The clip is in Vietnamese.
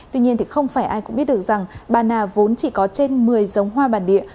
tuy nhiên thì không phải ai cũng biết được rằng bà nà vốn chỉ có trên một mươi giống hoa bản địa